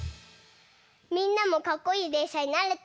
みんなもかっこいいでんしゃになれた？